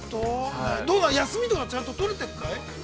◆どうなの、休みとかちゃんと取れているかい。